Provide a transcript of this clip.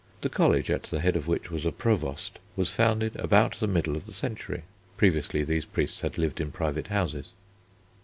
The College, at the head of which was a Provost, was founded about the middle of the century. Previously these priests had lived in private houses.